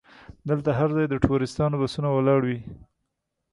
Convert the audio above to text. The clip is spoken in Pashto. دلته هر ځای د ټوریستانو بسونه ولاړ وي.